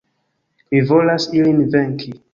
Mi volas ilin venki.